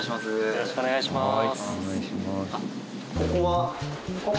よろしくお願いします。